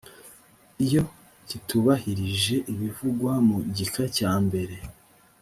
iyo kitubahirije ibivugwa mu gika cya mbere